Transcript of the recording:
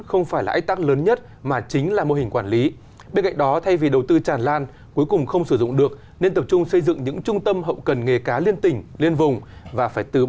không phải là ái tác lớn nhất